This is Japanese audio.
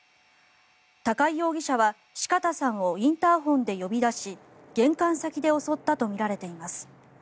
高井容疑者は四方さんをインターホンで呼び出し玄関先で襲ったとみられています。